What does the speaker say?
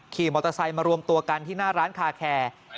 ขี่มอเตอร์ไซค์มารวมตัวกันที่หน้าร้านคาแคร์